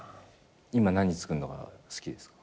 今何つくんのが好きですか？